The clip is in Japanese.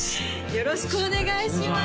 よろしくお願いします